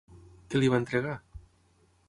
Què li va entregar?